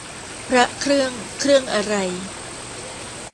พระเครื่อง เครื่องอะไร